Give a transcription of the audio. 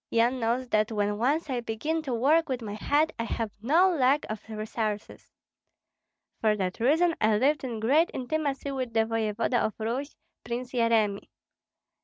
Yan knows that when once I begin to work with my head I have no lack of resources. For that reason I lived in great intimacy with the voevoda of Rus, Prince Yeremi.